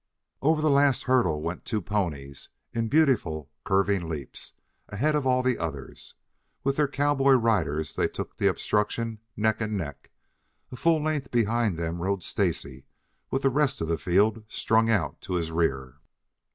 Over the last hurdle went two ponies in beautiful curving leaps, ahead of all the others. With their cowboy riders they took the obstruction neck and neck. A full length behind them rode Stacy with the rest of the field strung out to his rear.